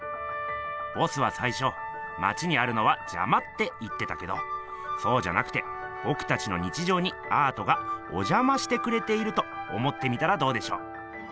ボスは最初まちにあるのはじゃまって言ってたけどそうじゃなくてぼくたちの日常にアートがおじゃましてくれていると思ってみたらどうでしょう？